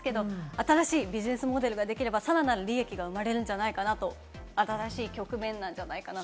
新しいビジネスモデルができれば、さらなる利益が生まれるんじゃないかなと、新しい局面なんじゃないかなと。